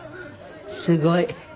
すごい。